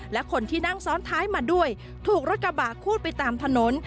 และคนที่นั่งซ้อนท้ายมาด้วยถูกรถกระบะคูดไปตามถนน